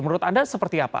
menurut anda seperti apa